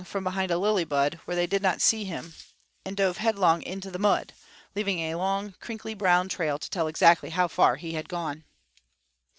_ from behind a lily bud, where they did not see him, and dove headlong into the mud, leaving a long, crinkly, brown trail to tell exactly how far he had gone.